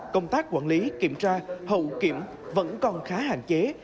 công tác quản lý kiểm tra hậu kiểm vẫn còn khá hạn chế